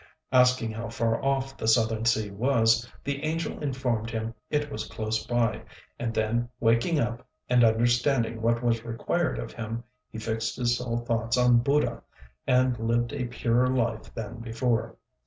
Asking how far off the Southern Sea was, the angel informed him it was close by; and then waking up, and understanding what was required of him, he fixed his sole thoughts on Buddha, and lived a purer life than before.